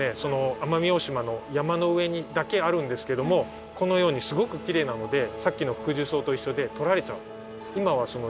奄美大島の山の上にだけあるんですけどこのようにすごくきれいなのでさっきのフクジュソウと一緒でとられちゃう。